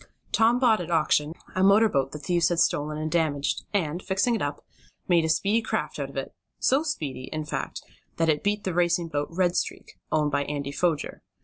Tom bought at auction, a motor boat the thieves had stolen and damaged, and, fixing it up, made a speedy craft of it so speedy, in fact that it beat the racing boat Red Streak owned by Andy Foger.